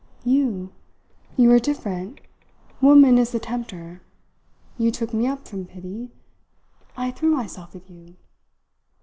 "You! You are different. Woman is the tempter. You took me up from pity. I threw myself at you."